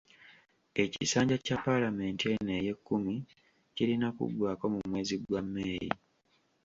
Ekisanja kya paalamenti eno ey'e kkumi kirina kuggwako mu mwezi gwa May.